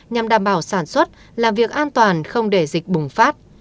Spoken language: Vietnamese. nhằm đảm bảo sản xuất làm việc an toàn không để dịch bùng phát